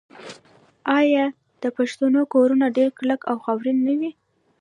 آیا د پښتنو کورونه ډیر کلک او خاورین نه وي؟